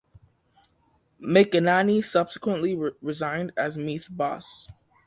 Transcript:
McEnaney subsequently resigned as Meath boss.